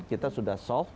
kita sudah solve